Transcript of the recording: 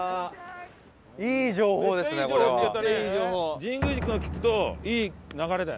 神宮寺君が聞くといい流れだよね。